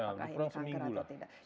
ya kurang seminggu lah